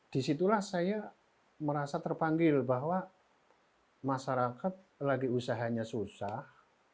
disitulah saya merasa terpanggil bahwa masyarakat lagi usahanya susah